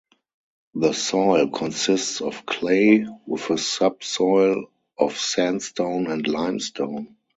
The soil consists of clay, with a subsoil of sandstone and limestone.